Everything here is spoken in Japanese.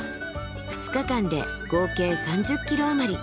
２日間で合計３０ｋｍ余り。